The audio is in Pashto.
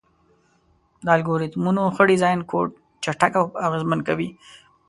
د الګوریتمونو ښه ډیزاین کوډ چټک او اغېزمن کوي.